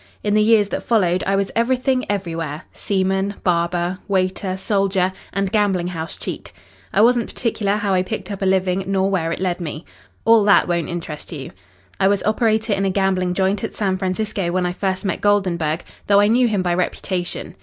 In the years that followed I was everything everywhere seaman, barber, waiter, soldier, and gambling house cheat. I wasn't particular how I picked up a living nor where it led me. All that won't interest you. I was operator in a gambling joint at San Francisco when I first met Goldenburg, though I knew him by reputation.